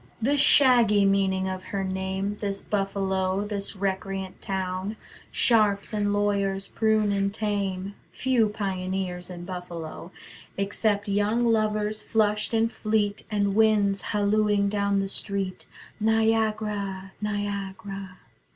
The shaggy meaning of her name This Buffalo, this recreant town, Sharps and lawyers prune and tame: Few pioneers in Buffalo; Except young lovers flushed and fleet And winds hallooing down the street: "Niagara, Niagara."